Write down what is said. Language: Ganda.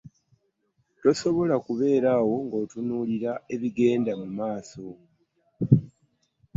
Tosobola kubeera awo nga otunulira ebigenda mumaaso.